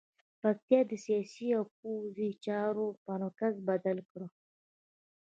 پکتیا یې د سیاسي او پوځي چارو په مرکز بدله کړه.